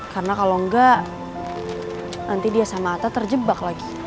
karena kalo enggak nanti dia sama ata terjebak lagi